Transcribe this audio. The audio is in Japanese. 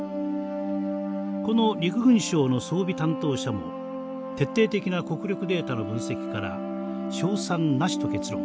この陸軍省の装備担当者も徹底的な国力データの分析から「勝算なし」と結論。